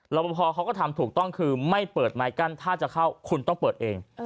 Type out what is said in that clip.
ประพอเขาก็ทำถูกต้องคือไม่เปิดไม้กั้นถ้าจะเข้าคุณต้องเปิดเอง